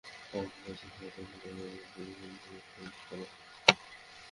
আমাকে বলছিল, খারাপ কথা বন্ধ করো, নইলে মাঝ আকাশেই বিমান বিধ্বস্ত হবে।